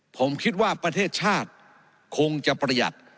ผมคิดว่าประเทศชาติคงจะประหยัด